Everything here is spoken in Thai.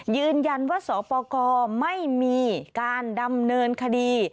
ยืนยันว่าสปกรไม่มีการดำเนินคดี